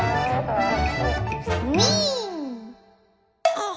あっ。